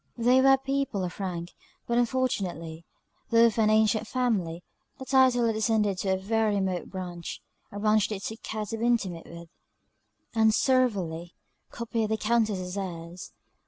They were people of rank; but unfortunately, though of an ancient family, the title had descended to a very remote branch a branch they took care to be intimate with; and servilely copied the Countess's airs.